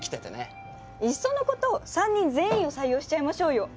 いっそのこと３人全員を採用しちゃいましょうよ！